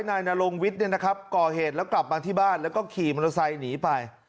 นายนรงวิทย์ก่อเหตุแล้วกลับมาที่บ้านแล้วก็ขี่มอเตอร์ไซค์หนีไป